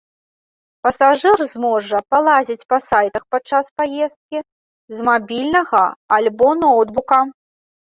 Пасажыр зможа палазіць па сайтах падчас паездкі, з мабільнага альбо ноўтбука.